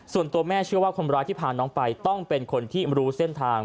ส่วนตัวแม่เชื่อว่าคนร้ายที่พาน้องไปต้องเป็นคนที่รู้เส้นทาง